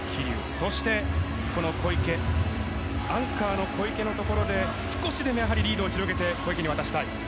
そしてこのアンカーの小池のところで少しでもリードを広げて小池に渡したい。